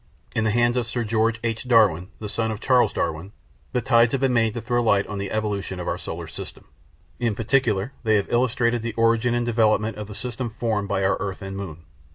In the hands of Sir George H. Darwin, the son of Charles Darwin, the tides had been made to throw light on the evolution of our solar system. In particular, they have illustrated the origin and development of the system formed by our earth and moon.